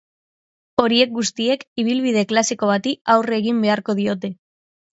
Horiek guztiek ibilbide klasiko bati aurre egin beharko diote.